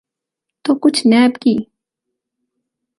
تو کچھ نیب کی۔